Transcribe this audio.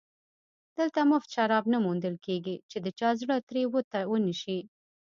دلته مفت شراب نه موندل کېږي چې د چا زړه ترې ونشي